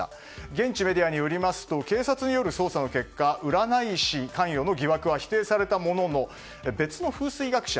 現地メディアによりますと警察による捜査の結果占い師関与の疑惑は否定されたものの別の風水学者